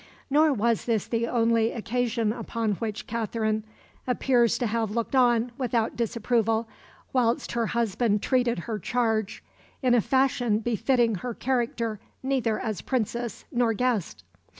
Nor was this the only occasion upon which Katherine appears to have looked on without disapproval whilst her husband treated her charge in a fashion befitting her character neither as Princess nor guest.